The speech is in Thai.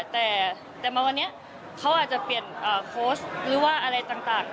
แต่มาวันนี้เขาอาจจะเปลี่ยนโค้ชหรือว่าอะไรต่าง